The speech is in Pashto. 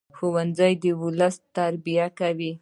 ښوونځی د ولس تربیه کوي